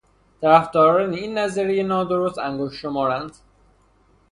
طرفداران این نظریهُ نادرست انگشت شمار اند.